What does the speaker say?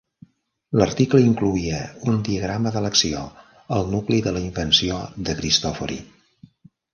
L'article incloïa un diagrama de l'acció, el nucli de la invenció de Cristofori.